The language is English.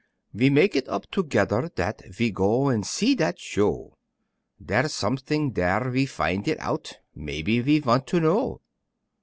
Ve mak' it op togedder dat Ve go an' see dat show, Dere's som't'ing dere ve fin' it out Maybe ve vant to know.